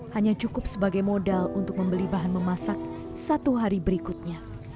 hanya cukup sebagai modal untuk membeli bahan memasak satu hari berikutnya